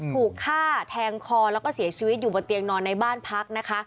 ถูกฆ่าแทงคอแล้วก็เสียชีวิตอยู่บนเตียงนอนในบ้านพักนะคะ